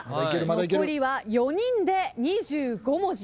残りは４人で２５文字。